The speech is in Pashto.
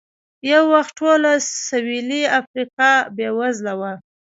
یو وخت ټوله سوېلي افریقا بېوزله وه.